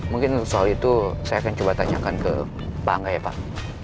mungkin soal itu saya akan coba tanyakan ke pak angga ya pak